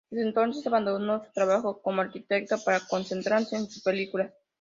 Desde entonces, abandonó su trabajo como arquitecto para concentrarse en sus películas.